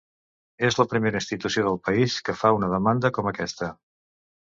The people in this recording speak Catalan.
És la primera institució del país que fa una demanda com aquesta.